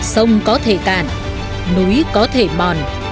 sông có thể tàn núi có thể mòn